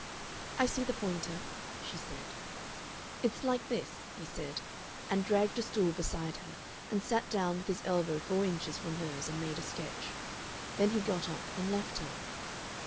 "I see the pointer," she said. "It's like this," he said, and dragged a stool beside her and sat down with his elbow four inches from hers and made a sketch. Then he got up and left her.